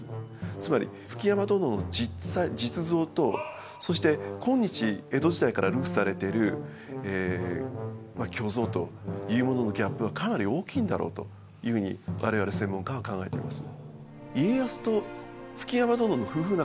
つまり築山殿の実像とそして今日江戸時代から流布されてるまあ虚像というもののギャップはかなり大きいんだろうというふうに我々専門家は考えています。